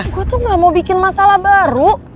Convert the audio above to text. gue tuh gak mau bikin masalah baru